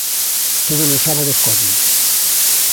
Tódolos sábados collen.